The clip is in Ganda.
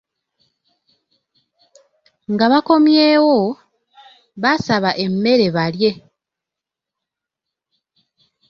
Nga bakomyewo, basaba emmere balye.